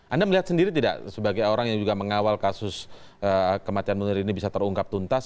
anda melihat sendiri tidak sebagai orang yang juga mengawal kasus kematian munir ini bisa terungkap tuntas